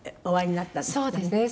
そうですね。